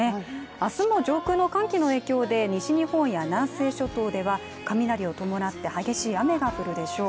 明日も上空の寒気の影響で、西日本や南西諸島では雷を伴って激しい雨が降るでしょう。